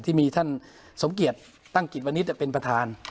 ที่มีท่านสมเกียจตั้งกิจวันนี้เป็นประธาน